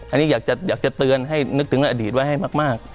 อันนี้อยากจะเตือนให้นึกถึงอดีตไว้ให้มาก